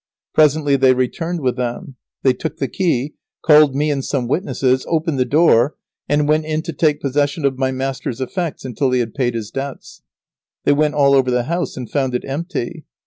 Presently they returned with them. They took the key, called me and some witnesses, opened the door and went in to take possession of my master's effects until he had paid his debts. They went all over the house and found it empty.